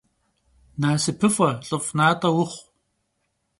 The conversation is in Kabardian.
Nasıpıf'e - lh'ıf' nat'e vuxhu!